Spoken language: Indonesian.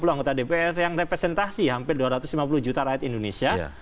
lima ratus enam puluh anggota dpr yang representasi hampir dua ratus lima puluh juta rakyat indonesia